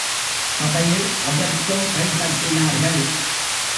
சபையில் அதற்கும் கை தட்டினார்கள்.